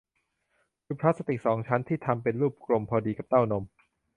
คือพลาสติกสองชั้นที่ทำเป็นรูปกลมพอดีกับเต้านม